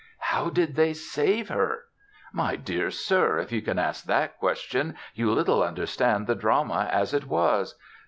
"How did they save her?" My dear sir, if you can ask that question you little understand the drama as it was.